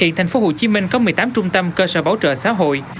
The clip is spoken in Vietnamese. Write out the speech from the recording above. hiện thành phố hồ chí minh có một mươi tám trung tâm cơ sở bảo trợ xã hội